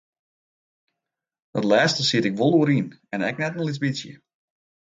Dat lêste siet ik wol oer yn en ek net in lyts bytsje.